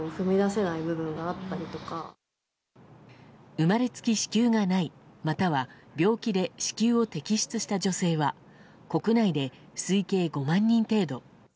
生まれつき子宮がないまたは病気で子宮を摘出した女性は国内で推計５万人程度。